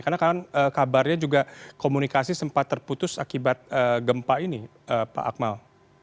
karena kan kabarnya juga komunikasi sempat terputus akibat gempa ini pak akmal